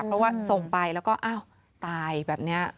เพราะว่าส่งไปแล้วก็อ้าวตายแบบนี้